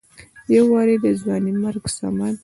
يو وارې د ځوانيمرګ صمد